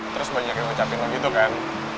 terus banyak yang ngucapin lah gitu kan